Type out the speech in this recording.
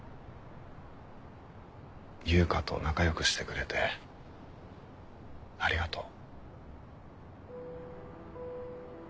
悠香と仲良くしてくれてありがとう。